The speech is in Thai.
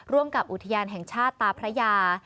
ร่วมกับอุทยานแห่งชาติตาพระยา